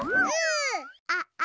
あっあ。